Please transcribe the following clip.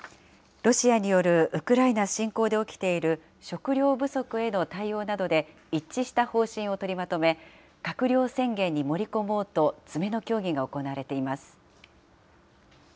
ロシアによるウクライナ侵攻で起きている食料不足への対応などで一致した方針を取りまとめ、閣僚宣言に盛り込もうと、詰めの協議が行われています。